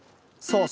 そう。